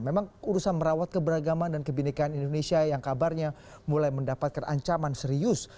memang urusan merawat keberagaman dan kebenekaan indonesia yang kabarnya mulai mendapatkan ancaman serius